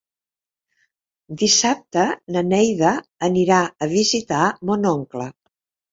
Dissabte na Neida anirà a visitar mon oncle.